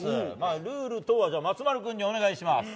ルールは松丸君にお願いします。